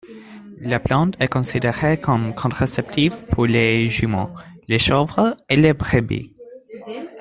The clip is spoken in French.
La plante est considérée comme contraceptive pour les juments, les chèvres et les brebis.